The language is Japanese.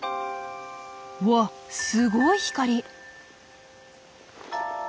わっすごい光！